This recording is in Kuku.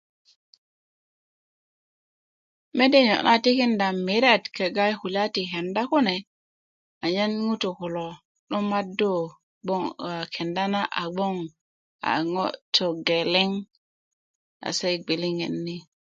mede niyo na a tikinda miret kega i kulya ti lenda kune anyen ŋutu kulo 'dumadu a kenda na ŋo togeleŋ kase ko i bgwiliŋet ni